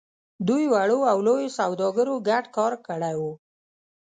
دوی وړو او لويو سوداګرو ګډ کار کړی و.